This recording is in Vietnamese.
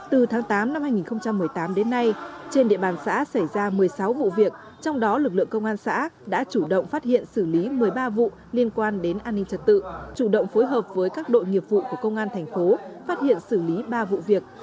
từ tháng tám năm hai nghìn một mươi tám đến nay trên địa bàn xã xảy ra một mươi sáu vụ việc trong đó lực lượng công an xã đã chủ động phát hiện xử lý một mươi ba vụ liên quan đến an ninh trật tự chủ động phối hợp với các đội nghiệp vụ của công an thành phố phát hiện xử lý ba vụ việc